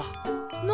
何？